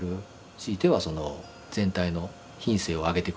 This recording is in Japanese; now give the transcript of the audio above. ひいては全体の品性を上げてくれる。